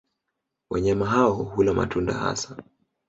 Wanyama hao hula matunda hasa.